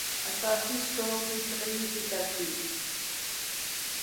اساسی-سٹروک کی چھٹنی کی ترتیب